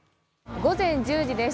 午前１０時です。